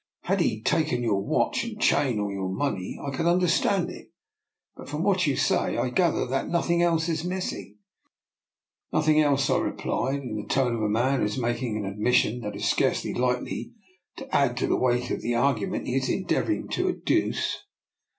Had he taken your watch and chain, or your money, I could under stand it ; but from what you say, I gather that nothing else is missing." " Nothing else," I replied, in the tone of a man who is making an admission that is DR. NIKOLA'S EXPERIMENT. "3 scarcely likely to add to the weight of the ar gument he is endeavouring to adduce.